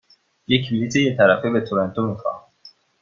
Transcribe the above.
یک بلیط یک طرفه به تورنتو می خواهم.